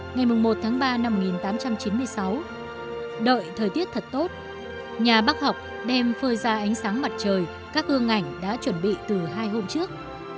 ngày một tháng ba năm một nghìn tám trăm chín mươi sáu đợi thời tiết thật tốt nhà bác học đem phơi ra ánh sáng mặt trời các hương ảnh đã chuẩn bị từ hai hôm trước